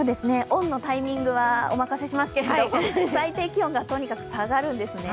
オンのタイミングはお任せしますけども最低気温がとにかく下がるんですね。